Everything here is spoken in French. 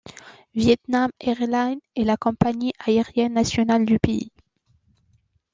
Vietnam Airlines est la compagnie aérienne nationale du pays.